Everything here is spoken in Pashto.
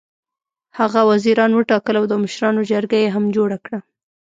هغه وزیران وټاکل او د مشرانو جرګه یې هم جوړه کړه.